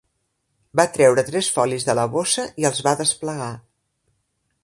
Va treure tres folis de la bossa i els va desplegar.